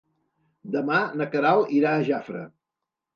Demà na Queralt irà a Jafre.